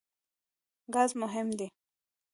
ګاز مهم دی.